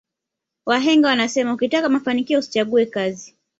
wahenga wanasema ukitaka mafanikio usichague kazi